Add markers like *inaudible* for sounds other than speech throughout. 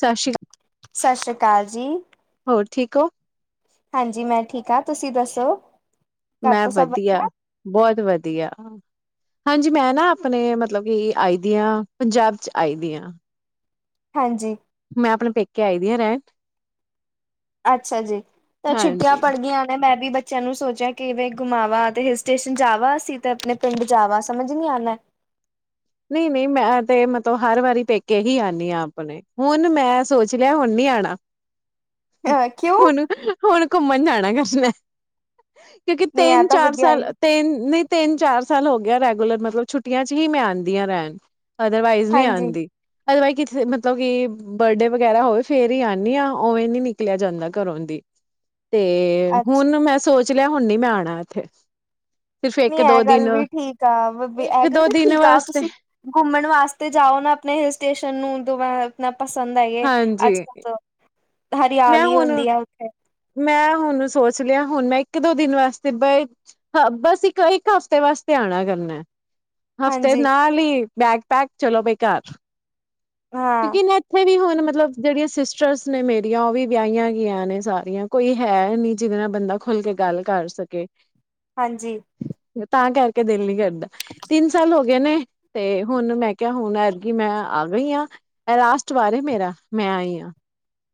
ਸਤਿ ਸ੍ਰੀ ਅਕਾਲ ਸਸ ਸ਼ੀ ਅਕਾਲ ਜੀ ਹੋਰ ਠੀਕ ਓ ਹਾਂਜੀ ਮੈਂ ਠੀਕ ਆ ਤੁਸੀਂ ਦੱਸੋ। ਘਰ ਮੈਂ ਤੋਂ ਸਭ ਵਧੀਆ ਬੋਹਤ ਵਧੀਆ। ਹਾਂਜੀ ਮੈਂ ਨਾ ਆਪਣੇ ਮਤਲਬ ਕਿ ਆਈ ਦੀ ਹਾਂ ਪੰਜਾਬ ' ਆਈ ਦੀ ਆ। *inaudible* ਹਾਂਜੀ ਮੈਂ ਆਪਣੇ ਪੇਕੇ ਆਈ ਦੀ ਆ ਰਹਿਣ ਅੱਛਾ ਜੀ ਤਾਂ ਛੁੱਟੀਆਂ ਹਾਂਜੀ ਪੜ੍ਹ ਗਈਆਂ ਨੇ ਮੈਂ ਵੀ ਬੱਚਿਆਂ ਨੂੰ ਸੋਚਿਆ ਕਿਵੇਂ ਘੁਮਾਵਾ, ਤੇ ਹਿਲ ਸਟੇਸ਼ਨ ਜਾ ਵਾ ਅਸੀਂ ਤੇ ਆਪਣੇ ਪਿੰਡ ਜਾ ਵ ਸਮਝ ਨੀ ਆਨਾ ਨਈ ਨਈ ਮੈਂ ਤੇ ਮਤਲਬ ਹਰ ਵਾਰੀ ਪੇਕੇ ਹੀ ਆਣੀ ਆ ਆਪਣੇ ਹੁਣ ਮੈਂ ਸੋਚ ਲਿਆ ਹੁਣ ਨੀ ਆਣਾ ਅ ਕਿਉਂ? ਹੁਣੂੰ ਹੁਣ ਘੁੰਮਣ ਜਾਣਾ ਕਿਸਨੇ ਕਿਉਂਕਿ ਨਹੀਂ ਐ ਤਿੰਨ ਤਾਂ ਚਾਰ ਵਧੀਆ ਸਾਲ ਈ ਤਿੰਨ ਨਹੀਂ ਤਿੰਨ ਚਾਰ ਸਾਲ ਹੋ ਗਿਆ ਰੈਗੂਲਰ ਮਤਲਬ ਛੁੱਟੀਆਂ ਚ ਹੀ ਮੈਂ ਆਉਂਦੀਆਂ ਰਹਿਣ। ਅਦਰਵਾਈਜ਼ ਨੀ ਹਾਂਜੀ, ਆਂਦੀ ਅਵਾਈ ਕਿਥੇ ਮਤਲਬ ਕਿ ਬਰਡੇ ਵਗੈਰਾ ਹੋਵੇ ਫੇਰ ਹੀ ਆਉਂਦੀ ਹ ਉਵੇਂ ਨੀ ਨ ਨਿਕਲਿਆ ਜਾਂਦਾ ਘਰੋਂ ਦੀ ਤੇ ਤੇ ਅੱਛ ਹੁਣ ਮੈਂ ਸੋਚ ਲਿਆ ਹੁਣ ਨੀ ਮੈਂ ਆਣਾ ਇੱਥੇ। ਸਿਰਫ ਨਹੀਂ ਇੱਕ ਇਹ ਦੋ ਦਿਨ ਗੱਲ ਵੀ ਠੀਕ ਆ, ਇੱਕ ਇਹ ਗੱਲ ਦੋ ਵੀ ਦਿਨ ਠੀਕ ਆ ਵਾਸਤੇ ਤੁਸੀਂ ਘੁੰਮਣ ਵਾਸਤੇ ਜਾਓ ਨਾ ਆਪਣੇ ਹੀਲ ਸਟੇਸ਼ਨ ਨੂੰ ਦ ਮੈਂ ਇਨਾ ਪਸੰਦ ਹੈਗੇ ਹਾਂਜੀ ਅੱਜ ਕੱਲ ਮੈਂ ਹਰਿਆਲੀ ਹੁਣ ਹੁੰਦੀ ਆ ਉੱਥੇ ਮੈਂ ਹੁਣ ਸੋਚ ਲਿਆ ਹੁਣ ਮੈਂ ਇੱਕ ਦੋ ਦਿਨ ਵਾਸਤੇ ਬ ਹ ਬਸ ਇੱਕ ਇੱਕ ਹਫ਼ਤੇ ਵਾਸਤੇ ਆਣਾ ਕਰਨਾ ਐ। ਹਫ਼ਤੇ ਦ ਹਾਂਜੀ, ਨਾਲ ਈ ਬੈਗ ਪੈਕ ਚਲੋ ਬੀ ਘਰ। ਹਾਂ, ਕਿਉਂਕਿ ਮੈਂ ਇਥੇ ਵੀ ਹੁਣ ਮਤਲਬ ਜਿਹੜੀਆਂ ਸਿਸਟਰਸ ਨੇ ਮੇਰੀਆਂ ਓ ਵੀ ਵਿਆਹੀਆਂ ਗਈਆਂ ਨੇ ਸਾਰੀਆਂ ਕੋਈ ਹੈ ਨੀ ਜਿਹਦੇ ਨਾਲ ਬੰਦਾ ਖੁੱਲ ਕੇ ਗੱਲ ਕਰ ਸਕੇ। ਹਾਂਜੀ। ਤਾਂ ਕਰਕੇ ਦਿਲ ਨੀ ਕਰਦਾ। ਤਿੰਨ ਸਾਲ ਹੋ ਗਏ ਨੇ। ਤੇ ਹੁਣ ਮੈਂ ਕਿਹਾ ਹੁਣ ਐਰ ਕਿ ਮੈਂ ਆ ਗਈ ਆਂ। ਐ ਲਾਸਟ ਵਾਰ ਐ ਮੇਰਾ ਮੈਂ ਆਈ ਆਂ।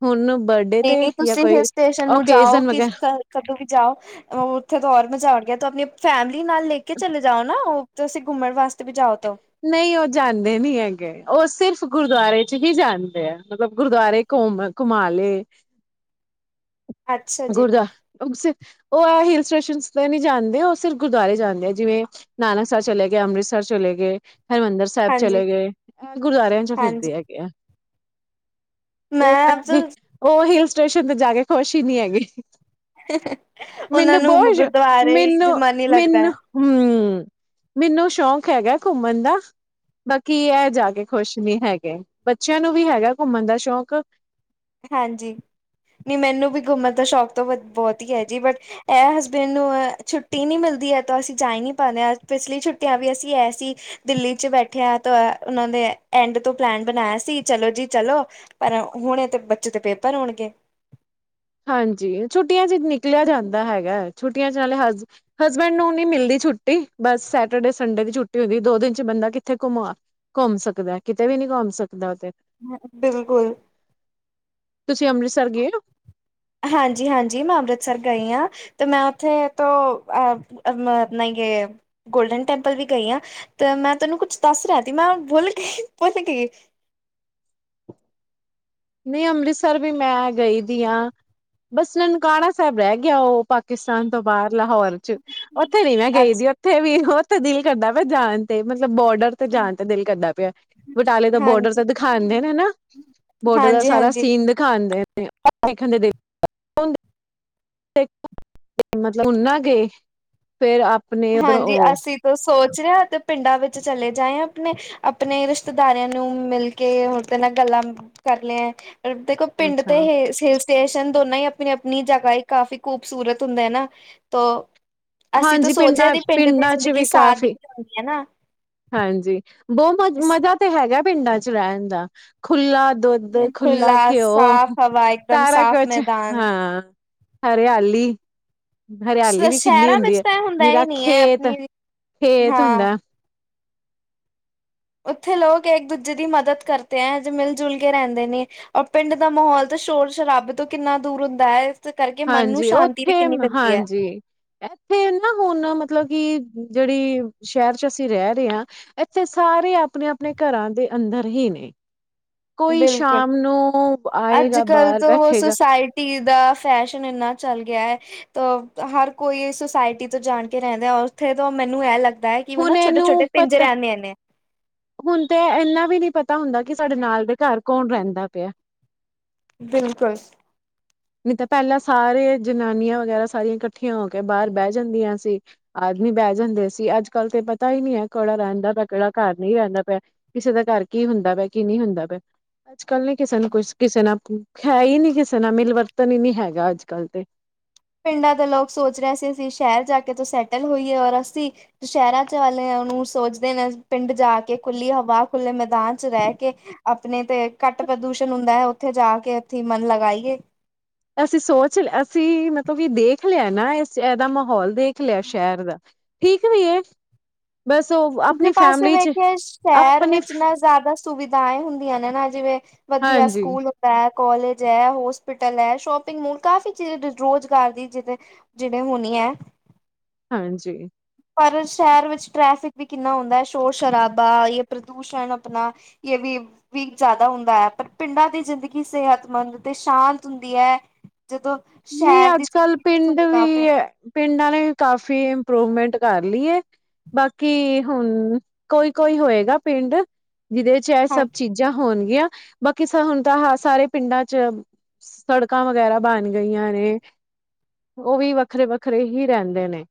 ਹੁਣ ਬ ਨਈ-ਨਈ ਤੁਸੀ ਹਿਲ ਸਟੇਸ਼ਨ ਨੂੰ ਜਾਓ ਕਿਸ ਵਗੈਰਾ ਕਰ ਕਦੋਂ ਵੀ ਜਾਓ ਉੱਥੇ ਤਾਂ ਹੋਰ ਮਜ਼ਾ ਆਉਣਗੀਆ ਤਾਂ ਅਪਣੀ ਫੈਮਿਲੀ ਨਾਲ ਲੈ ਕੇ ਚਲੇ ਜਾਓ ਨਾ ਓ ਤੁਸੀ ਘੁੰਮਣ ਵਾਸਤੇ ਵੀ ਜਾਓ ਤੋ ਨਈ ਓ ਜਾਂਦੇ ਨੀ ਹੈਗੇ। ਓ ਸਿਰਫ਼ ਗੁਰਦੁਆਰੇ 'ਚ ਹੀ ਜਾਂਦੇ ਐ। ਮਤਲਬ ਗੁਰਦੁਆਰੇ ਘਮ ਘੁਮਾ ਲੇ ਅੱਛਾ ਜੀ ਗੁਰਦੁਆ ਓ ਸਿ ਐ ਹਿਲ ਸਟੇਸ਼ਨਸ ਤੇ ਨੀ ਜਾਂਦੇ, ਓ ਸਿਰਫ ਗੁਰਦੁਆਰੇ ਜਾਂਦੇ ਓ ਜਿਵੇਂ ਨਾਨਕਸਰ ਚਲੇ ਗੇ, ਅੰਮ੍ਰਿਤਸਰ ਚਲੇ ਗੇ, ਹਰਿਮੰਦਰ ਸੈਬ ਹਾਂਜੀ ਚਲੇ ਗੇ। ਐ ਗੁਰਦੁਆਰਿਆਂ 'ਚ ਹਾਂਜੀ ਫਿਰਦੇ ਹੈਗੇ ਆ। ਮੈਂ ਓ ਐ ਆਪ ਵੀ ਓ ਹਿਲ ਸਟੇਸ਼ਨ ਤੇ ਜਾ ਕੇ ਖੁਸ਼ ਈ ਨੀ ਹੈਗੇ। ਉਹਨਾਂ ਮੇਨੂੰ ਨੂੰ ਬੋਸ਼ ਗੁਰਦੁਆਰੇ ਦੀ ਮੇਨੂੰ, ਮਨ ਹੀ ਲੱਗਦਾ ਹੈ ਮੇਨੂੰ ਹੂੰ। ਮੈਨੂੰ ਸ਼ੌਕ ਹੈਗੈ ਘੁੰਮਣ ਦਾ ਬਾਕੀ ਐ ਜਾ ਕੇ ਖੁਸ਼ ਨੀ ਹੈਗੇ। ਬੱਚੇਆਂ ਨੂੰ ਵੀ ਹੈਗੈ ਘੁੰਮਣ ਦਾ ਸ਼ੌਂਕ ਹਾਂਜੀ। ਨਈ ਮੈਨੂੰ ਵੀ ਘੁੰਮਅ ਦਾ ਸ਼ੌਕ ਵਧੀ ਤਾਂ ਬੋਹੋਤ ਈ ਹੈ ਜੀ ਬਟ ਐ ਹਸਬੈਂਡ ਨੂੰ ਅ ਛੁੱਟੀ ਨੀ ਮਿਲਦੀ ਐ ਤਾਂ ਅਸੀ ਜਾ ਈ ਨੀ ਪਾਨੇ ਆ। ਪਿਛਲੀ ਛੁੱਟੀਆਂ ਵੀ ਅਸੀ ਐਸੀ ਦਿੱਲੀ 'ਚ ਬੈਠੈ ਆਂ ਤੋ ਐ ਓਨਾਂ ਦੇ ਐ ਐਂਡ ਤੋਂ ਪਲੈਨ ਬਨਾਏਆ ਸੀ ਚਲੋ ਜੀ ਚਲੋ ਪਰ ਹੁਣੇ ਤੇ ਬੱਚੇ ਦੇ ਪੇਪਰ ਹੋਣਗੇ। ਹਾਂਜੀ, ਛੁੱਟੀਆਂ 'ਚ ਨਿਕਲੇਆ ਜਾਂਦਾ ਹੈਗੈ। ਛੁੱਟੀਆਂ 'ਚ ਨਾਲੇ ਹਸ ਹਸਬੈਂਡ ਨੂੰ ਨੀ ਮਿਲਦੀ ਛੁੱਟੀ। ਬਸ ਸੈਟਰਡੇ ਸੰਡੇ ਦੀ ਛੁੱਟੀ ਹੁੰਦੀ। ਦੋ ਦਿਨ 'ਚ ਬੰਦਾ ਕਿੱਥੇ ਘੁੰਮਾ ਘੋਮ ਸਕਦੈ। ਕਿਤੇ ਵੀ ਨੀ ਘੁੰਮ ਸਕਦਾ ਓ ਤੇ। ਬਿਲਕੁਲ। ਤੁਸੀ ਅੰਮ੍ਰਿਤਸਰ ਗੇ ਓ? ਹਾਂਜੀ-ਹਾਂਜੀ ਮੈਂ ਅੰਮ੍ਰਿਤਸਰ ਗਈ ਆਂ। ਤੇ ਮੈਂ ਓਥੇ ਤੋਂ ਅ ਅਪਨਾ ਨਈ ਗਏ ਐਂ। ਗੋਲਡਨ ਟੈਂਪਲ ਵੀ ਗਈ ਆਂ ਤੇ ਮੈਂ ਤੁੈਨੂੰ ਕੁਛ ਦੱਸ ਰਿਹਾ ਤੀ ਮੈਂ ਭੌਲ ਗੀ। ਭੌਲ ਗੀ। ਨਈ ਅੰਮ੍ਰਿਤਸਰ ਵੀ ਮੈਂ ਗਈ ਦੀ ਆਂ। ਬਸ ਨਨਕਾਨਾ ਸੈਬ ਰਹਿ ਗੇਐ ਓ ਪਾਕਿਸਤਾਨ ਤੋਂ ਬਾਰ ਲਾਹੌਰ 'ਚ ਓਥੇ ਨੀ ਮੈਂ ਗਈ ਦੀ। ਅੱਛਾ ਔਥੇ ਵੀ ਓਥੇ ਦਿਲ ਕਰਦਾ ਪਯਾ ਜਾਣ ਤੇ ਮਤਲਬ ਬੋਡਰ ਤੋ ਜਾਣ ਤੇ ਦਿਲ ਕਰਦਾ ਪਿਐ। ਬਟਾਲੇ ਦਾ ਬੋਡਰ ਹਾਂਜੀ। ਤੋ ਦਿਖਾਂਦੇ ਨੇ ਨਾ। ਬੋਰਡਰ ਦਾ ਹਾਂਜੀ-ਹਾਂਜੀ, ਸਾਰਾ ਹਾਂਜੀ ਸੀਨ ਦਿਖਾਂਦੇ ਨੇ *unintelligible* *unintelligible* ਮਤਲਬ ਹੂਨ ਨਾ ਗੇ ਫੇਰ ਆਪ ਹਾਂਜੀ ਅਸੀ ਤੋ ਸੋਚ ਰੇ ਆ ਤੇ ਪਿੰਡਾਂ ਵਿੱਚ ਚਲੇ ਜਾਏ ਅਪਣੇ। ਅਪਣੇ ਰਿਸ਼ਤੇਦਾਰੇਆਂ ਨੂੰ ਮਿਲ ਕੇ ਹੋਰ *unintelligible* ਨਾਲ ਗੱਲਾਂ ਕਰ ਲੇ ਐਂ। ਇਬ ਦੇਖੋ ਪਿੰਡ ਅੱਛਾ। ਤੇ ਹੇ ਸੇਸ ਟੇਸ਼ਨ ਦੋਨਾਂ ਹੀ ਅਪਣੀ-ਅਪਣੀ ਜਗ੍ਹਾ ਹੀ ਕਾਫੀ ਖੂਬਸੂਰਤ ਹੁੰਦਾ ਏ ਨਾ ਤੋ ਅਸੀਂ ਤਾਂ ਹਾਂਜੀ ਸੋਚਿਆ ਪਿੰਡਾਂ, ਦੀ ਪਿੰਡ ਦੀ ਪਿੰਡਾਂ 'ਚ ਜ਼ਿੰਦਗੀ ਵੀ ਕਾਫ਼ੀ ਸਾਦਗੀ ਹੁੰਦੀ ਹੈ ਨਾ। ਹਾਂਜੀ ਬੋ ਮਜ ਮਜ਼ਾ ਤੇ ਹੈਗੈ ਪਿੰਡਾਂ 'ਚ ਰਹਿਣ ਦਾ ਖੁੱਲਾ ਦੌ ਧ, ਖੁਲਾ ਖੁੱਲਾ ਘਿਓ, ਸਾਫ਼ ਹਵਾ ਇੱਕਦਮ ਤਾਰਾ ਸਾਫ਼ ਕੁਛ ਮੈਦਾਨ। ਹਾਂ। ਹਰਿਆਲੀ, ਹਰਿਆਲੀ ਵੀ ਕਿੰਨੀ ਸ਼ਹਿਰਾਂ ਹੁੰਦੀ ਵਿੱਚ ਏ। ਤਾਂ ਹੁੰਦਾ ਨਿਰਾ ਹੀ ਨਹੀਂ ਹੈ ਖੇਤ, ਆਪਣੀ ਖੇਤ ਹਾਂ ਹੁੰਦੈ। ਓਥੇ ਲੋਕ ਏਕ ਦੂਜੇ ਦੀ ਮਦਦ ਕਰਤੇ ਐਂ। ਅੱਜ ਮਿਲ ਜੁਲ ਕੇ ਰੈਂਦੇ ਨੇ। ਅਬ ਪਿੰਡ ਦਾ ਮਾਹੌਲ ਤਾਂ ਸ਼ੋਰ ਸ਼ਰਾਬੇ ਤੋਂ ਕਿੰਨਾ ਦੂਰ ਹੁੰਦਾ ਐ। ਹਾਂਜੀ ਓਥੇ, ਹਾਂਜੀ ਐਥੇ ਨਾ ਹੁ ਣ ਓ ਮਤਲਬ ਕਿ ਜੜੀ ਸ਼ੇਰ ਚ ਅਸੀ ਰੈ ਰੇ ਆਂ ਏੱਥੇ ਸਾਰੇ ਆਪਣੇ ਆਪਣੇ ਘਰਾਂ ਦੇ ਅੰਦਰ ਹੀ ਨੇ। ਕੋਈ ਬਿਲਕੁਲ ਸ਼ਾਮ ਨੂੰ ਆਏਗਾ, ਬਾਰ ਬੈਠੇਗਾ ਤੀ ਦਾ ਫੈਸ਼ਨ ਇੰਨਾ ਚੱਲ ਗਿਆ ਹੈ। ਤਾਂ ਹਰ ਕੋਈ, ਸੁਸਾਇਟੀ ਤੋਂ ਜਾਣ ਕੇ ਰਹਿੰਦਾ ਉੱਥੇ ਤੋਂ ਮੈਨੂੰ ਇਹ ਲੱਗਦਾ ਹੈ। ਕਿਂ ਨਾ ਹੁਣ ਛੋਟ ਇਹਨੂੰ ਛੋਟ ਪੇਜਰੇ ਪਤਾ ਆਂੀਆਂ ਨੇ। ਹੁਣ ਤੇ ਇੰਨਾ ਵੀ, ਨੀ ਪਤਾ ਹੁੰਦਾ ਕਿ ਸਾਡੇ ਨਾਲ ਦੇ ਘਰ ਕੌਣ ਰਹਿੰਦਾ ਪਿਆ। *unintelligible* ਬਿਲਕੁਲ। *unintelligible* ਨਹੀਂ ਤਾਂ ਪਹਿਲਾਂ ਸਾਰੇ ਜਨਾਨੀਆਂ ਵਗੈਰਾ ਸਾਰੀਆਂ ਇਕੱਠੀਆਂ ਹੋ ਕੇ ਬਾਹਰ ਬਹਿ ਜਾਂਦੀਆਂ ਸੀ। ਆਦਮੀ ਬਹਿ ਜਾਂਦੇ ਸੀ ਅੱਜ ਕੱਲ ਤੇ ਪਤਾ ਹੀ ਨਹੀਂੀ ਹੈ ਕਿਹੜਾ ਰਹਿੰਦਾ ਪਿਆ ਕਿਹੜਾ ਘਰ ਨਹੀਂ ਰਹਿੰਦਾ ਪਿਆ। ਕਿਸੇ ਦਾ ਘਰ ਕੀ ਹੁੰਦਾ ਪਿਆ ਕੀ ਨਹੀਂ ਹੁੰਦਾ ਪੈ। ਅੱਜ ਕੱਲ ਨੀ ਕਿਸੇ ਨੂੰ ਕੁਛ ਕਿਸੇ ਨਾਲ ਹੈ ਹੀ ਨੀ ਕਿਸੇ ਨਾਲ ਮਿਲ ਵਰਤਨ ਹੀ ਨੀ ਹੈਗਾ ਅੱਜ ਕੱਲ ਤੇ। ਪਿੰਡਾਂ ਦੇ ਲੋਕ ਸੋਚ ਰਹੇ ਸੀ ਅਸੀਂ ਸ਼ਹਿਰ ਜਾ ਕੇ ਤੋਂ ਸੈਟਲ ਹੋਈਏ ਔਰ ਅਸੀਂ। ਸ਼ਹਿਰਾਂ ਚ ਵਾਲਿਆਂ ਨੂੰ ਸੋਚਦੇ ਨੇ ਪਿੰਡ ਜਾ ਕੇ ਖੁੱਲੀ ਹਵਾ ਖੁੱਲੇ ਮੈਦਾਨ ਚ ਰਹਿ ਕੇ। ਆਪਣੇ ਤੇ ਘੱਟ ਪ੍ਰਦੂਸ਼ਣ ਹੁੰਦਾ ਹੈ ਉੱਥੇ ਜਾ ਕੇ ਅੱਸੀਂ ਮਨ ਲਗਾਈਏ। ਅਸੀਂ ਸੋਚ ਲ ਅਸੀਂ ਮਤਲਬ ਕਿ ਦੇਖ ਲਿਆ ਨਾ ਇਸ ਇਹਦਾ ਮਾਹੌਲ। ਦੇਖ ਲਿਆ ਸ਼ਹਿਰ ਦਾ ਠੀਕ ਵੀ ਬਸ ਉਹ। ਦੂਜੇ ਆਪਣੀ ਪਾਸੇ ਫੈਮਿਲੀ ਚ ਵੇਖੇ ਸ਼ਹਿਰ ਆਪਣੀ ਵਿੱਚ ਨਾ। ਜ਼ਿਆਦਾ ਸੁਵਿਧਾਏ ਹੁੰਦੀਆਂ ਨੇ ਨਾ ਜਿਵੇਂ ਵਧੀਆ ਹਾਂਜੀ, ਸਕੂਲ। ਕੋਾਲਜ ਹੈ, ਹੋਸਪਿਟਲ ਹੈ ਸ਼ੋਪਿੰਗ ਮੋਲ ਕਾਫੀ ਚੀਜ਼ ਰੁਜ਼ਗਾਰ ਦੀ ਜਿਥੇ। ਜਿੜੇ ਹੁਣ ਹੈ। ਹਾਂਜੀ। ਪਰ ਸ਼ਹਿਰ ਵਿੱਚ ਟ੍ਰੈ, ਫਿਕ ਵੀ ਕਿੰਨਾ ਹੁੰਦਾ ਸ਼ੋਰ ਸ਼ਰਾਬਾ ਜਾਂ ਪ੍ਰਦੂਸ਼ਣ ਆਪਣਾ। ਇਹ ਵੀ। ਵੀ ਜ਼ਿਆਦਾ ਹੁੰ, ਦਾ ਹੈ ਪਰ ਪਿੰਡਾਂ ਦੀ ਜ਼ਿੰਦਗੀ ਸਿਹਤਮੰਦ ਤੇ ਸ਼ਾਂਤ ਹੁੰਦੀ ਹੈ। ਜਦੋਂ *unintelligible* ਨਹੀਂ ਸ਼ਹਿਰ ਦੀ ਅੱਜ ਕੱਲ ਜ਼ਿੰਦਗੀ ਤੋਂ ਪਿੰਡ ਸੁਵਿਧਾ ਵੀ ਹੈ। ਪਿੰਡਾਂ ਨੇ ਵੀ ਕਾਫੀ ਇੰਪਰੂਵਮੈਂਟ ਕਰ ਲਈ ਹੈ। ਬਾਕੀ ਹੁ, ਣ ਕੋਈ ਕੋਈ ਹੋਏਗਾ ਪਿੰਡ ਜਿਹਦੇ ਚ ਇਹ ਹਾਂ ਸਭ ਚੀਜ਼ਾਂ। ਾਂ ਹੋਣਗੀਆਂ ਬਾਕੀ ਹੁਣ ਤਾਂ ਹ ਸਾਰੇ ਪਿੰਡਾਂ ਚ ਸੜਕਾਂ ਵਗੈਰਾ ਬਣਗ ਗਿਆ। ਗਈਆਂ ਨੇ ਉਹ ਵੀ ਵੱਖਰੇ ਵੱਖਰੇ ਹੀ ਰਹਿੰਦੇ ਨੇ।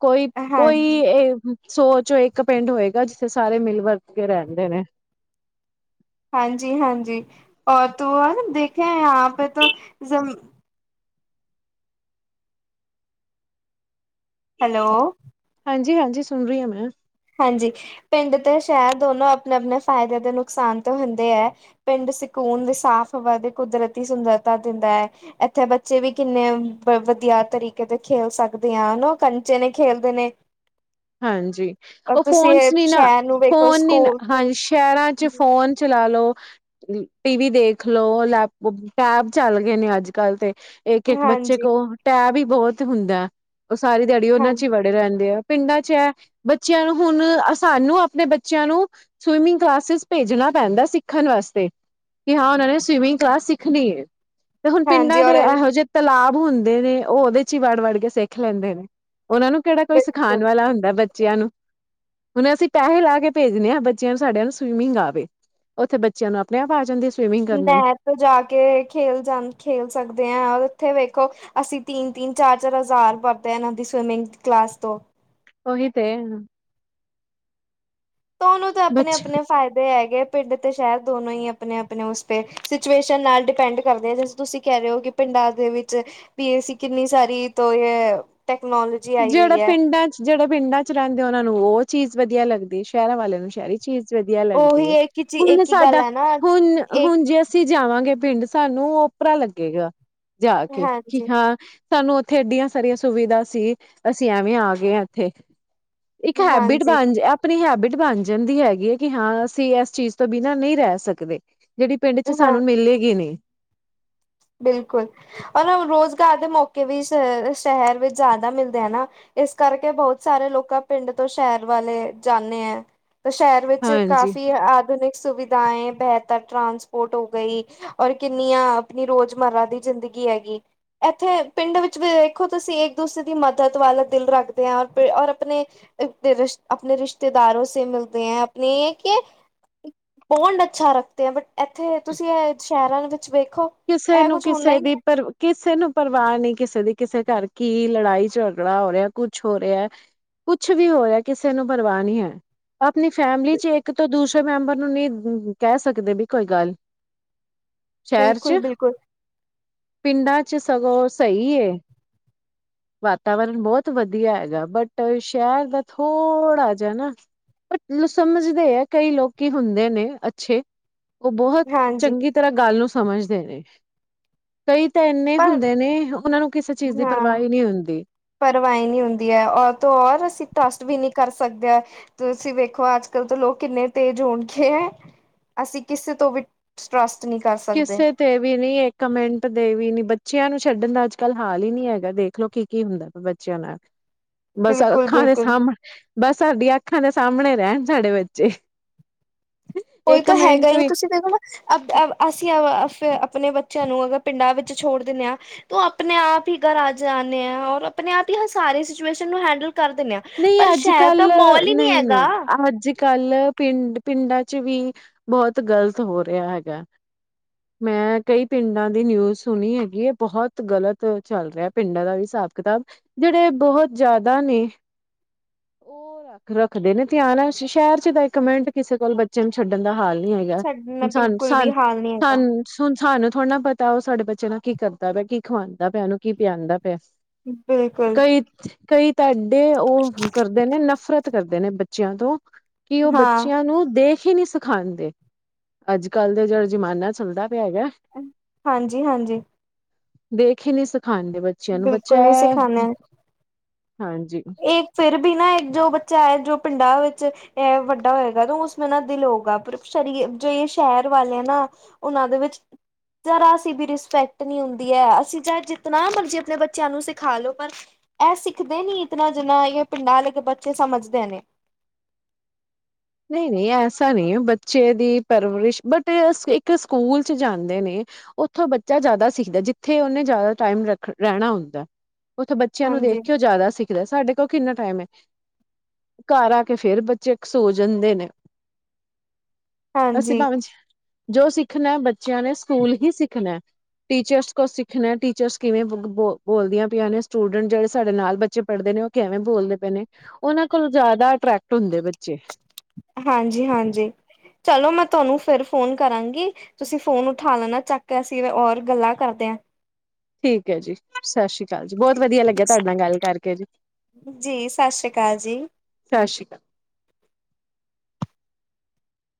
ਕੋਈ ਕੋਈ ਇਹ ਸੋਚ, ਇੱਕ ਪਿੰਡ ਹੋਏਗਾ ਜਿੱਥੇ ਸਾਰੇ ਮਿਲ ਵਰਤ ਕੇ ਰਹਿੰਦੇ ਨੇ। ਹਾਂਜੀ ਹਾਂਜੀ ਔਰ ਤ ਹਨ ਦੇਖੇ ਆ ਪੇ। ਹੈਲੋ। ਹਾਂਜੀ ਹਾਂਜੀ ਸੁਣ ਰਹੀ ਹਾਂ ਮੈਂ। ਹਾਂਜੀ ਪਿੰਡ ਤੇ ਸ਼ਹਿਰ ਦੋ, ਨੋ ਆਪਣੇ ਆਪਣੇ ਫਾਇਦੇ ਦੇ ਨੁਕਸਾਨ ਤੋਂ ਹੁੰਦੇ ਹੈ। ਪਿੰਡ ਸਕੂਨ ਦੇ ਸਾਫ਼ ਹਵਾ ਤੇ ਕੁਦਰਤੀ ਸੁੰਦਰਤਾ ਦਿੰਦਾ ਹੈ। ਇੱਥੇ ਬੱਚੇ ਵੀ ਕਿੰਨੇ ਵਧੀਆ ਤਰੀਕੇ ਦੇ ਖੇਲ ਸਕਦੇ ਆ ਹਨਾ ਕੰਚੇ ਨੇ ਖੇਲਦੇ ਨੇ। ਹਾਂਜੀ ਔਰ ਉਹ ਤੁਸੀਂ ਫੋਨਸ ਨੀ ਨਾ ਸ਼ਹਿਰ ਨੂੰ ਵੇਖੋ ਫੋਨ ਨੀ ਨਾ ਸਕੂਲ ਹਾਂ। ਸ਼ਹਿਰਾਂ ਚ ਫੋਨ ਚਲਾ ਲੋ। ਟੀ ਵੀ ਦੇਖਲੋ ਲੈਪ ਟੈਬ ਚੱਲ ਗਏ ਨੇ ਅੱਜ ਕੱਲ ਤੇ। ਇੱਕ ਇੱਕ ਬੱਚੇ ਹਾਂਜੀ ਕੋਲ ਟੈ ਵੀ ਬਹੁ, ਤ ਹੁੰਦਾ ਉਹ ਸਾਰੀ ਡੈਡੀ ਉਹਨਾਂ ਚ ਹਾਂਜੀ ਹੀ ਵੜੇ ਰਹਿੰਦੇ ਆ। ਪਿੰਡਾਂ ਚ ਹੈ ਬੱਚਿਆਂ ਨੂੰ ਹੁਣ ਸਾਨੂੰ ਆਪਣੇ ਬੱਚਿਆਂ ਨੂੰ। ਸਵਿਮਿੰਗ ਕਲਾਸਿਸ ਭੇਜਣਾ ਪੈਂਦਾ ਸਿੱਖਣ ਵਾਸਤੇ। ਕਿ ਹਾਂ ਉਹਨਾਂ ਨੇ ਸਵੀਮਿੰਗ ਕਲਾਸ ਸਿੱਖਣੀ ਹੈ। ਤੇ ਹੁਣ ਹਾਂਜੀ ਪਿੰਡਾਂ ਦੇ ਔਰ ਇਹੋ ਜਿਹੇ ਤ, ਲਾਬ ਹੁੰਦੇ ਨੇ ਉਹ ਉਹਦੇ ਚ ਹੀ ਵੜ ਵੜ ਕੇ ਸਿੱਖ ਲੈਂਦੇ ਨੇ। ਓਨ੍ਹਾਂ ਨੂੰ ਕੇੜਾ ਕੋਈ ਬਿਲਕੁਲ ਸਿਖਾਣ ਵਾਲਾ ਹੁੰਦਾ ਬੱਚਿਆਂ ਨੂੰ ਹੁਨ ਅਸੀਂ ਪੈਹੇ ਲਾ ਕੇ ਭੇਜਨੇ ਹਾਂ, ਬੱਚਿਆਂ ਨ ਸਾਡੇਆਂ ਨੂੰ ਸਵੀਮਿੰਗ ਆਵੇ ਉੱਥੇ ਬਚ ਬੱਚਿਆਂ ਨੂੰ ਆਪਣੇ ਆਪ ਆ ਜਾਂਦੀ ਏ ਸਵੀਮਿੰਗ ਕਰਨੀ? ਓਥੇ ਜਾ ਕੇ ਖੇਲ ਜਾਂ ਖੇਲ ਸਕਦੇ ਹਾਂ ਔਰ ਓਥੇ ਵੇਖੋ ਅਸੀਂ ਤਿੰਨ ਤਿੰਨ ਚਾਰ ਚਾਰ ਹਜ਼ਾਰ ਭਰਦੇ ਹਾਂ ਏਹਨਾਂ ਦੀ ਸਵਿਮਿੰਗ ਕਲਾਸ ਤੋਂ ਓਹੀ ਤੇ। ਓਹਨੂੰ ਤੇ ਆਪਨੇ ਬੱਚੇ ਆਪਨੇ ਫਾਇਦੇ ਹੈਗੇ ਪਿੰਡ ਤੇ ਸ਼ਹਿਰ ਦੋਨੋ ਹੀ ਆਪਨੇ ਆਪਨੇ ਓਸ ਪੇ ਸਿਚੁਏਸ਼ਨ ਨਾਲ ਡਿਪੈਂਡ ਕਰਦੇ ਆ ਤੁਸੀਂ ਕੈ ਰਹੇ ਹੋ ਕਿ ਪਿੰਡਾਂ ਦੇ ਵਿੱਚ ਵੀ ਅਸੀਂ ਕਿੰਨੀ ਸਾਰੀ ਤੋਂ ਏਹ ਟੈਕਨੋਲੋਜੀ ਆਈ ਹੋਈ ਜੇਹੜਾ ਹੈ ਪਿੰਡਾਂ 'ਚ ਜਿਹੜਾ ਪਿੰਡਾਂ 'ਚ ਰਹਿੰਦੇ ਆ ਓਨਾਂ ਨੂੰ ਉਹ ਚੀਜ਼ ਵਧੀਆ ਲੱਗਦੀ ਸ਼ੈਰਾਂ ਵਾਲਿਆਂ ਨੂੰ ਸ਼ੈ ਸ਼ੈਰੀ ਚੀਜ ਵਦੀਆ ਲੱਗਦੀ ਉਹੀ ਐ। ਇੱਕ ਹੀ ਚੀ ਹੁਨ ਇੱਕ ਹੀ ਗੱਲ ਸਾਡਾ ਹੈ ਨਾ ਹੁਨ ਇੱਕ ਹੁਨ ਜੇ ਅਸ ਅਸੀਂ ਜਾਵਾਂਗੇ ਪਿੰਡ, ਸਾਨੂੰ ਓਪਰਾ ਲੱਗੇਗਾ ਜਾ ਕੇ ਕਿ ਹਾਂ ਸਾਨੂੰ ਓਥੇ ਏਡੀਆਂ ਸਾਰੀਆਂ ਸੁਵਿਧਾ ਸੀ, ਅਸੀਂ ਐਵੇਂ ਆ ਗਏ ਹਾਂ ਇੱਥੇ ਇੱਕ ਹੈਬਿਟ ਹਾਂਜੀ-ਹਾਂਜੀ ਬਨ ਜ ਆਪਨੀ ਹੈਬਿਟ ਬਨ ਜਾਂਦੀ ਹੈਗੀ ਹੈ ਕਿ ਹਾਂ ਅਸੀਂ ਏਸ ਚੀਜ਼ ਤੋਂ ਬਿਨਾਂ ਨਹੀਂ ਰਹੈ ਸਕਦੇ। ਜੇੜੀ ਪਿੰਡ 'ਚ ਹਾਂ ਸਾਨੂੰ ਮਿਲੇਗੀ ਨਹੀਂ। ਬਿਲਕੁਲ, ਔਰ ਰੋਜ਼ਗਾਰ ਦੇ ਮੌਕੇ ਵੀ ਸ਼ਹੈਰ ਵਿੱਚ ਜਾਦਾ ਮਿਲਦੇ ਹੈ ਨਾ ਇਸ ਕਰਕੇ ਬਹੁਤ ਸਾਰੇ ਲੋਕਾਂ ਪਿੰਡ ਤੋਂ ਸ਼ੈਰ ਵਾਲੇ ਜਾਨੇ ਹੈ ਤੇ ਸ਼ੈਰ ਵਿੱਚ ਹਾਂਜੀ ਕਾਫ਼ੀ ਆਧੁਨਿਕ ਸੁਵਿਧਾਏਂ, ਬੇਹਤਰ ਟਰਾਂਸਪੋਰਟ ਹੋ ਗਈ ਔਰ ਕਿੰਨੀਆਂ ਆਪਨੀ ਰੋਜਮਰਾ ਦੀ ਜ਼ਿੰਦਗੀ ਹੈਗੀ ਐਥੇ, ਪਿੰਡ ਵਿੱਚ ਵੇਖੋ ਤੁਸੀਂ, ਇੱਕ ਦੂਸਰੇ ਦੀ ਮਦਦ ਵਾਲਾ ਦਿਲ ਰੱਖਦੇ ਐਂ, ਔਰ--ਔਰ ਆਪਨੇ ਅਪਨੇ ਰਿਸ਼ਤ ਅਪਨੇ ਰਿਸ਼ਤੇਦਾਰੋਂ ਸੇ ਮਿਲਤੇ ਹੈਂ, ਅਪਨੇ ਹੈ ਕੇ ਹੋਲਡ ਅੱਛਾ ਰੱਖਤੇ ਹੈੰ, ਬਟ ਐਥੇ ਤੁਸੀਂ ਏਹ ਸ਼ਹਿਰਾਂ ਦੇ ਵਿੱਚ ਵੇਖੋ ਇਹ ਤੈਨੂੰ ਕੁਛ ਹੁੰਦਾ ਕਿਸੇ ਹੀ ਦੀ ਨਹੀਂ ਹੈ ਕਿਸੇ ਨੂੰ ਪਰਵਾਹ ਨਹੀਂ ਕਿਸੇ ਦੀ, ਕਿਸੇ ਘਰ ਕੀ ਲੜਾਈ ਝਗੜਾ ਹੋ ਰਿਹੈ, ਕੁਛ ਹੋ ਰਿਹੈ ਕੁਛ ਵੀ ਹੋ ਰਿਹੈ, ਕਿਸੇ ਨੂੰ ਪਰਵਾਹ ਨਹੀਂ ਹੈ। ਆਪਨੀ ਫੈਮਿਲੀ 'ਚ ਇੱਕ ਤੋਂ ਦੂਸਰੇ ਮੈਂਬਰ ਨੂੰ ਨਹੀਂ ਕੈਹ ਸਕਦੇ ਬੀ ਕੋਈ ਗੱਲ ਸ਼ਹਿਰ ਬਿਲਕੁਲ ਚ -ਬਿਲਕੁਲ। ਪਿੰਡਾਂ 'ਚ ਸਗੋਂ, ਸਈ ਏ। ਵਾਤਾਵਰਨ ਬਹੁਤ ਵਧੀਆ ਹੈਗਾ, ਬਟ ਸ਼ਹਿਰ ਦਾ ਥੋੜ੍ਹਾ ਜੇਹਾ ਨਾ ਬਟ ਨੂੰ ਸਮਝਦੇ ਐ ਕਈ ਲੋਕੀ ਹੁੰਦੇ ਨੇ, ਅੱਛੇ ਓਹ ਬਹੋਤ ਹਾਂਜੀ ਚੰਗੀ ਤਰ੍ਹਾਂ ਗੱਲ ਨੂੰ ਸਮਝਦੇ ਨੇ। ਕਈ ਤਾਂ ਏਨੇ ਪਰ ਹੁੰਦੇ ਨੇ ਓਹਨਾਂ ਨੂੰ ਕਿਸੇ ਚੀਜ਼ ਦੀ ਪਰਵਾਹ ਈ ਨਈ ਹੁੰਦੀ। ਪਰਵਾ ਈ ਨੀ ਹੁੰਦੀ ਹੈ। ਔਰ ਤੋਂ ਔਰ ਅਸੀਂ ਟਰੱਸਟ ਵੀ ਨਹੀਂ ਕਰ ਸਕਦੇ ਹੈ ਤੁਸੀਂ ਵੇਖੋ ਅੱਜ ਕੱਲ੍ਹ ਤਾਂ ਲੋਕ ਕਿੰਨੇ ਤੇਜ਼ ਹੋਗੇ ਹੈ। ਅਸੀਂ ਕਿਸੇ ਤੋਂ ਵੀ ਟਰੱਸਟ ਨੀ ਕਰ ਸਕਦੇ। ਕਿਤੇ ਵੀ ਨੀ ਏਕ ਮਿੰਟ ਦੇ ਵੀ ਨੀ, ਬੱਚਿਆਂ ਨੂੰ ਛੱਡਣ ਦਾ ਅੱਜ ਕੱਲ੍ਹ ਹਾਲ ਹੀ ਨੀ ਹੈਗਾ ਦੇਖਲੋ ਕੀ ਕੀ ਹੁੰਦੈ ਬੱਚਿਆਂ ਦੇ ਨਾਲ, ਬਸ ਬਿਲਕੁਲ ਅੱਖਾਂ ਦੇ ਬਿਲਕੁਲ ਸਾਹਮਣੇ ਬਸ ਸਾਡੀਆਂ ਅੱਖਾਂ ਦੇ ਸਾਹਮਣੇ ਰਹਿਣ ਸਾਡੇ ਬੱਚੇ ਕੋਈ ਇੱਕ ਤਾਂ ਹੈਗਾ ਮਿੰਟ ਹੀ ਵੀ ਤੁਸੀਂ ਦੇਖੋ ਨਾ ਅ ਅ ਅਸੀਂ ਅ ਆ ਆਪਣੇ ਬੱਚਿਆਂ ਨੂੰ ਅਗਰ ਪਿੰਡਾਂ ਵਿੱਚ ਛੋੜ ਦੇਨੇ ਹਾਂ ਤੋਂ ਆਪਨੇ ਆਪ ਹੀ ਘਰ ਆ ਜਾਨੇ ਆਂ ਔਰ ਆਪਣੇ ਆਪ ਹੀ ਸਾਰੀ ਸਿਚੁਏਸ਼ਨ ਨੂੰ ਹੈਂਡਲ ਕਰ ਦਿੰਨੇ ਆਂ। ਨਈਂ, ਅੱਜ ਕੱਲ ਨਈ ਨਈ, ਅੱਜ ਕੱਲ ਪਿੰਡ ਪਿੰਡਾਂ 'ਚ ਵੀ ਬਹੁਤ ਗਲਤ ਹੋ ਰਿਹਾ ਹੈਗਾ। ਮੈਂ ਕਈ ਪਿੰਡਾਂ ਦੀ ਨਿਊਜ਼ ਸੁਣੀ ਹੈਗੀ ਹੈ। ਬਹੁਤ ਗਲਤ ਚੱਲ ਰਿਹਾ ਪਿੰਡਾਂ ਦਾ ਵੀ ਹਿਸਾਬ ਕਿਤਾਬ। ਜਿਹੜੇ ਬਹੁਤ ਜ਼ਿਆਦਾ ਨੇ। ਉਹ ਅੱਖ ਰੱਖਦੇ ਨੇ ਧਿਆਨ ਸ਼ਹਿਰ 'ਚ ਤਾਂ ਇੱਕ ਮਿੰਟ ਕਿਸੇ ਕੋਲ। ਬੱਚੇ ਨੂੰ ਛੱਡਣ ਦਾ ਹਾਲ ਨੀ ਹੈਗਾ। ਸਾਡਾ ਹੁਣ ਸਾਨੂੰ ਬਿਲਕੁਲ ਵੀ ਸਾਨ ਹਾਲ ਨਹੀਂ ਹੈਗਾ ਸਾਨੂੰ। ਹੁਣ ਸਾਨੂੰ ਥੋੜ੍ਹਾ ਨਾ ਪਤਾ ਉਹ ਸਾਡੇ ਬੱਚੇ ਨਾਲ ਕੀ ਕਰਦਾ ਪਿਆ, ਕੀ ਖਵਾਉਂਦਾ ਪਿਆ, ਉਹਨੂੰ ਕੀ ਪਿਆਂਦਾ ਪਿਆ। ਬਿਲਕੁਲ ਕਈ- ਕਈ ਤੁਹਾਡੇ ਉਹ ਕਰਦੇ ਨੇ ਨਫ਼ਰਤ ਕਰਦੇ ਨੇ ਬੱਚੇ ਬੱਚਿਆਂ ਤੋਂ ਕਿ ਉਹ ਹਾਂ ਬੱਚਿਆਂ ਨੂੰ ਦੇਖ ਨਹੀਂ ਸਿਖਾਉਂਦੇ ਅੱਜ ਕੱਲ ਦਾ ਜਿਹੜਾ ਜ਼ਮਾਨਾ ਚੱਲਦਾ ਪਿਆ ਹੈਗਾ ਹਾਂਜੀ, ਹਾਂਜੀ। ਦੇਖ ਹੀ ਨਹੀਂ ਸਿਖਾਉਂਦੇ ਬੱਚਿਆਂ ਨੂੰ ਬੱਚਾ ਬਿਲਕੁਲ ਨਹੀਂ ਐ ਹਾਂਜੀ ਇਹ ਫਿਰ ਵੀ ਨਾ ਇੱਕ ਜੋ ਬੱਚਾ ਹੈ ਜੋ ਪਿੰਡਾਂ ਵਿੱਚ ਇਹ ਵੱਡਾ ਹੋਏਗਾ ਉਸ ਮੇ ਨਾ ਦਿਲ ਹੋਗਾ ਪਰ ਸ਼ਰੀਰ ਜੋ ਸ਼ਹਿਰ ਵਾਲੇ ਆ ਨਾ ਉਹਨਾਂ ਦੇ ਵਿੱਚ ਜਰਾ ਸੀ ਵੀ ਰਿਸਪੈਕਟ ਨਹੀਂ ਹੁੰਦੀ ਹੈ ਅਸੀਂ ਚਾਹੇ ਜਿਤਨਾ ਮਰਜੀ ਆਪਣੇ ਬੱਚਿਆਂ ਨੂੰ ਸਿਖਾ ਲੋ ਪਰ ਇਹ ਸਿੱਖਦੇ ਨੀ ਇਤਨਾ ਜਿੰਨਾ ਇਹ ਪਿੰਡਾਂ ਆਲੇ ਦੇ ਬੱਚੇ ਸਮਝਦੇ ਨੇ। ਨਹੀਂ ਨਹੀਂ ਐਸਾ ਨਹੀਂ ਬੱਚੇ ਦੀ ਪਰਵਰਿਸ਼ ਬਟ ਇੱਕ ਸਕੂਲ ਚ ਜਾਂਦੇ ਨੇ। ਉੱਥੋਂ ਬੱਚਾ ਜਿਆਦਾ ਸਿੱਖਦਾ ਜਿੱਥੇ ਉਹਨੇ ਜਿਆਦਾ ਟਾਈਮ ਰ ਰਹਿਣਾ ਹੁੰਦਾ। ਉੱਥੇ ਬੱਚਿਆਂ ਨੂੰ ਦੇਖ ਹਾਂਜੀ ਕੇ ਉਹ ਜ਼ਿਆਦਾ ਸਿੱਖ ਦਾ ਸਾਡੇ ਕੋਲ ਕਿੰਨਾ ਟਾਈਮ ਹੈ ਘਰ ਆ ਕੇ ਫੇਰ ਬੱਚੇ ਇੱਕ ਸੋਚ ਜਾਂਦੇ ਨੇ ਅਸੀ ਹਾਂਜੀ ਭਵੇਂ ਜੋ ਸਿੱਖਣਾ ਬੱਚਿਆਂ ਨੇ ਸਕੂਲ ਹੀ ਸਿੱਖਣਾ। ਟੀਚਰਸ ਕੋ ਸਿੱਖਣਾ ਟੀਚਰਸ ਕਿਵੇਂ ਬ ਬੋਲਦੀਆਂ ਪਈਆਂ ਨੇ ਸਟੂਡੈਂਟ ਜਿਹੜੇ ਸਾਡੇ ਨਾਲ ਬੱਚੇ ਪੜ੍ਹਦੇ ਨੇ ਉਹ ਕਿਵੇਂ ਬੋਲਦੇ ਪਏ ਨੇ ਉਹਨਾਂ ਕੋਲੋਂ ਜ਼ਿਆਦਾ ਅਟਰ੍ਰੈਕਟ ਹੁੰਦੇ ਬੱਚੇ ਹਾਂਜੀ, ਹਾਂਜੀ ਚਲੋ ਮੈਂ ਤੁਹਾਨੂੰ ਫਿਰ ਫੋਨ ਕਰਾਂਗੀ। ਤੁਸੀਂ ਫੋਨ ਉਠਾ ਲੈਣਾ ਚੱਕ ਅਸੀਂ ਔਰ ਗੱਲਾਂ ਕਰਦੇ ਹਾਂ। ਠੀਕ ਹੈ ਜੀ। ਸਤਿ ਸ੍ਰੀ ਅਕਾਲ ਜੀ, ਬਹੁਤ ਵਧੀਆ ਲੱਗਿਆ ਤੁਹਾਡੇ ਨਾਲ ਗੱਲ ਕਰਕੇ ਜੀ। ਜੀ ਸਤਿ ਸ੍ਰੀ ਅਕਾਲ ਜੀ ਸਤਿ ਸ੍ਰੀ ਅਕਾਲ।